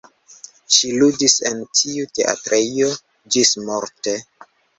Ŝi ludis en tiu teatrejo ĝismorte.